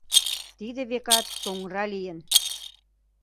Тиде, векат, соҥра лийын.